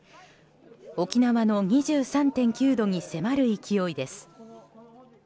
沖縄の２３．９度に迫る勢いです。